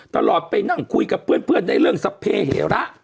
ตลอดไปนั่งคุยกับเพื่อนในเรื่องสัพเพเหระ